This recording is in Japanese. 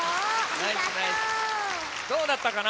どうだったかな？